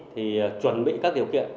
thì chuẩn bị các điều kiện